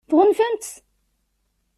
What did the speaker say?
Tɣunfam-tt?